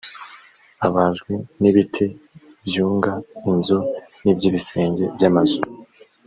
abajwe n ibiti byunga inzu n iby ibisenge by amazu